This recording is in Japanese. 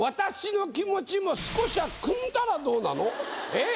えっ？